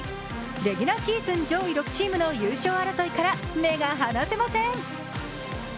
レギュラーシーズン上位６チームの優勝争いから目が離せません。